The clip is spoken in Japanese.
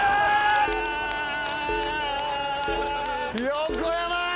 横山！